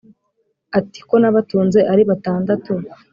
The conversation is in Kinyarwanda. ati: Ko nabatunze ari batandatu,